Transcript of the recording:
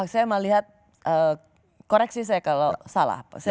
saya melihat koreksi saya kalau salah